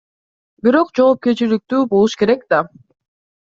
Бирок жоопкерчиликтүү болуш керек да.